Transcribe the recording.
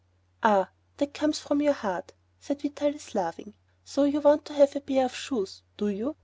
"Ah, that comes from your heart," said Vitalis, laughing. "So you want to have a pair of shoes, do you?